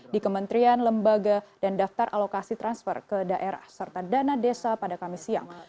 di kementerian lembaga dan daftar alokasi transfer ke daerah serta dana desa pada kamis siang